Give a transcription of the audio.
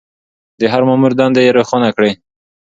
د هر مامور دندې يې روښانه کړې.